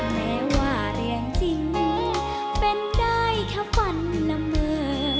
แม้ว่าเรื่องจริงนี้เป็นได้แค่ฝันละเมอ